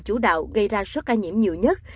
chủ đạo gây ra số ca nhiễm nhiều nhất